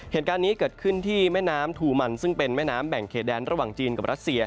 เหตุการณ์นี้เกิดขึ้นที่แม่น้ำทูมันซึ่งเป็นแม่น้ำแบ่งเคแดนระหว่างจีนกับรัสเซีย